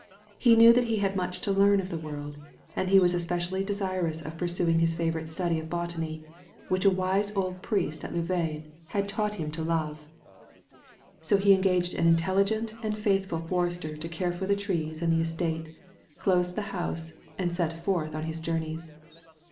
He knew that he had much to learn of the world, and he was especially desirous of pursuing his favorite study of botany^ which a ^v^ise old priest at Louvain had taught him 43 THE VALLEY OP VISION to love. So he engaged an intelligent and faithful forester to care for the trees and the estate, dosed the house, and set forth on his journeys.